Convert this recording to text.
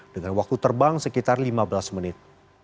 dengan waktu terbang sekitar lima belas menit